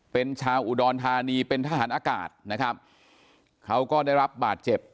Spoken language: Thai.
เป็นชาวอุดรธานีเป็นทหารอากาศนะครับเขาก็ได้รับบาดเจ็บ